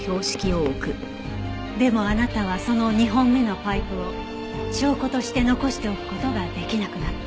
でもあなたはその２本目のパイプを証拠として残しておく事ができなくなった。